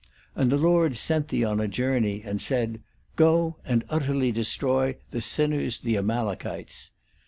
And theLord sent thee on a journey, and said, Go and utterly destroy the sinners the Amalekites.'